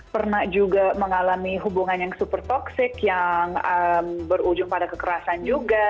pernah juga mengalami hubungan yang super toksik yang berujung pada kekerasan juga